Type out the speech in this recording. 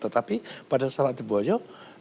tapi pada saat di boyo